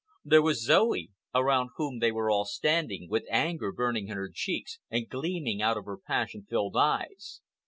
There was Zoe, around whom they were all standing, with anger burning in her cheeks and gleaming out of her passion filled eyes.